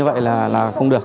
đây là không được